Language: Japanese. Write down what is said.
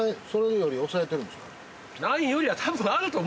それより抑えてるんですか？